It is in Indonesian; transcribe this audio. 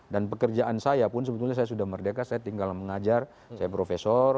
dan pekerjaan saya pun sebetulnya saya sudah merdeka saya tinggal mengajar saya profesor